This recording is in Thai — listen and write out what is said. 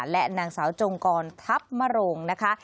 และนางสาวจงกรทัพมโรงนะคะ